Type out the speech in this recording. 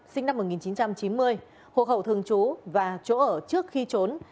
sinh năm một nghìn chín trăm chín mươi hồ khẩu thường chú và chỗ ở trước khi trốn